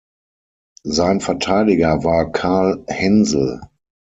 Sein Verteidiger war Carl Haensel.